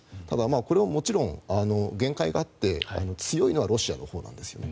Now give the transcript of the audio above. ただ、これは限界があって強いのはロシアのほうなんです。